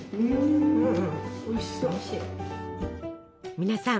皆さん